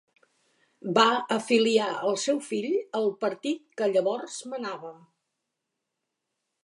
Va afiliar el seu fill al partit que llavors manava.